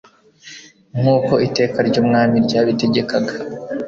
nk'uko iteka ry'umwami ryabitegekaga